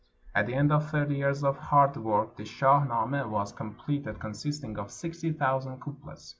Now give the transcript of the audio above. At the end of thirty years of hard work the "Shah Namah" was completed, consisting of sixty thousand couplets.